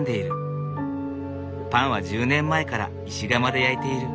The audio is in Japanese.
パンは１０年前から石窯で焼いている。